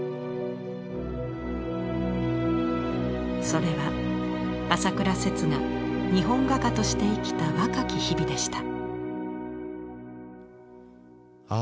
それは朝倉摂が日本画家として生きた若き日々でした。